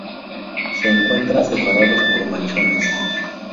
Se encuentran separados por machones.